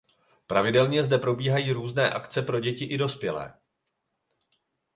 Pravidelně zde probíhají různé akce pro děti i dospělé.